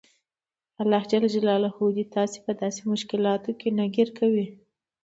خدای تاسو په داسې مشکلاتو کې نه ګیر کوي.